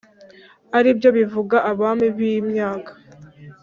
ari byo bivuga abami b’imyaka.